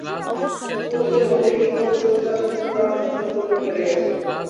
ভুক্তভোগীদের মতে, ঠিকমতো ওষুধ না ছিটানোর কারণে মশার উপদ্রব বেড়ে গেছে।